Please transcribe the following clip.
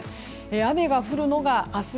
雨が降るのが明日